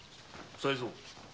才三。